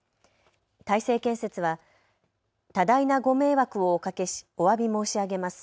大成建設は多大なご迷惑をおかけしおわび申し上げます。